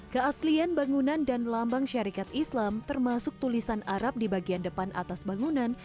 keaslian bangunan dan lambang syarikat islam termasuk tulisan arab di bagian depan atas bangunan